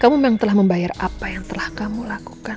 kamu memang telah membayar apa yang telah kamu lakukan